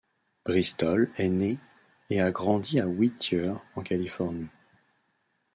Bristol est né et a grandi à Whittier en Californie.